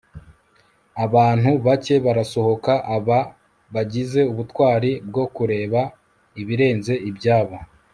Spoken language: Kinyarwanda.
abantu bake barasohoka. aba, bagize ubutwari bwo kureba ibirenze ibyabo